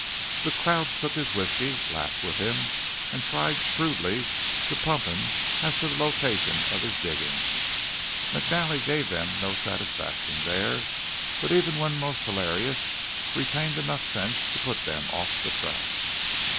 The crowd took his whiskey, laughed with him, and tried shrewdly to pump him as to the location of his diggings. McNally gave them no satisfaction there; but even when most hilarious retained enough sense to put them off the track.